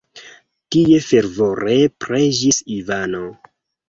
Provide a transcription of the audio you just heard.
Tie fervore preĝis Ivano.